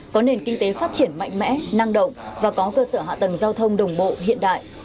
có nền kinh tế phát triển mạnh mẽ năng động và có cơ sở hạ tầng giao thông đồng bộ hiện đại